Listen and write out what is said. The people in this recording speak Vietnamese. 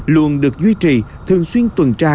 luôn được duy trì thường xuyên tuần tra